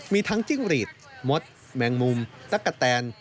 มีทั้งจิ้งหรีดมดแมงมุมตั๊กกะแตน